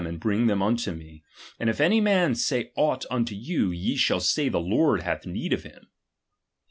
and bring them unto me ; ^H and if any man say aught unto you, ye shall ^H say the Lord hath need of them.